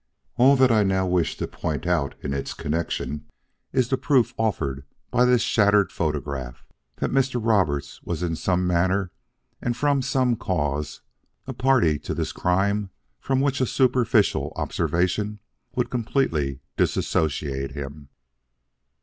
All that I now wish to point out in its connection is the proof offered by this shattered photograph, that Mr. Roberts was in some manner and from some cause a party to this crime from which a superficial observation would completely dissociate him.